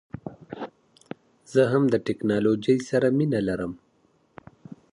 نو له ځان سره فکر کوي ،